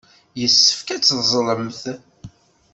Yessefk ad teẓẓlemt.